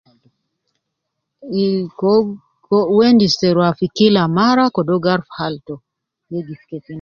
Umm ko wendis ta ruwa fi Kila mara je warufu Hali tou wegif kefin